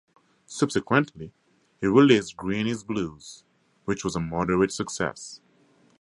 Subsequently, he released "Green Is Blues", which was a moderate success.